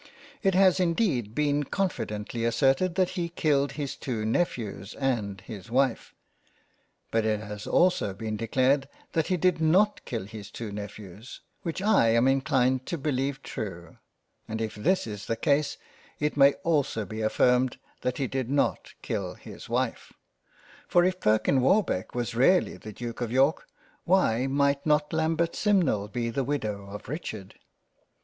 It has indeed been confidently asserted that he killed his two Nephews and his Wife, but it has also been declared that he did not kill his two Nephews, which I am inclined to beleive true ; and if this is the case, it may also be affirmed that he did not kill his Wife, for if Perkin Warbeck was really the Duke of York, why might not Lambert Simnel be the Widow of Richard.